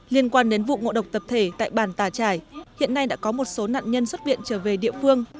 liên quan đến vụ ngộ độc tập thể tại bản tà trải hiện nay đã có một số nạn nhân xuất viện trở về địa phương